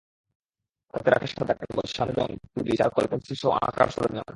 তাতে রাখা সাদা কাগজ, সামনে রং, তুলি, চারকোল, পেনসিলসহ আঁকার সরঞ্জাম।